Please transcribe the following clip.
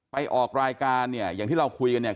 ออกรายการเนี่ยอย่างที่เราคุยกันเนี่ย